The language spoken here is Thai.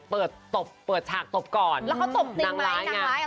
เปิดตบเปิดฉากตบก่อนแล้วเขาตบจริงไหมนางร้ายนางร้ายอ่ะ